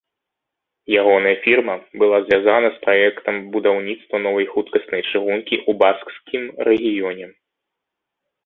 Ягоная фірма была звязана з праектам будаўніцтва новай хуткаснай чыгункі ў баскскім рэгіёне.